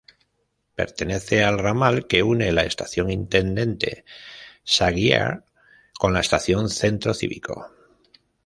Pertenece al ramal que une la estación Intendente Saguier, con la estación Centro Cívico.